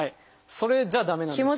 それじゃ駄目なんです。